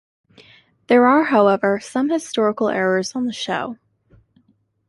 There are, however, some historical errors on the show.